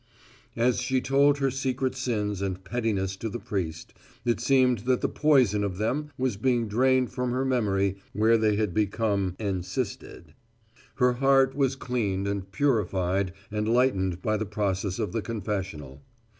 As she told her secret sins and pettiness to the priest, it seemed that the poison of them was being drained from her memory where they had become encysted. Her heart was cleaned and purified and lightened by the process of the confessional.